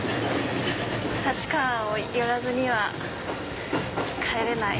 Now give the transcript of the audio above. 立川を寄らずには帰れない。